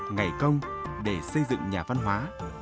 ngày công để xây dựng nhà văn hóa